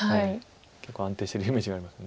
結構安定してるイメージがあります。